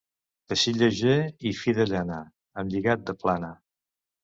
Teixit lleuger i fi de llana amb lligat de plana.